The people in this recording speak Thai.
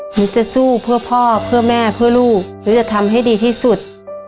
หนูจะสู้เพื่อพ่อเพื่อแม่เพื่อลูกหนูจะทำให้ดีที่สุด